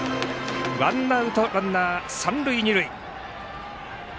ワンアウト、ランナー、三塁二塁。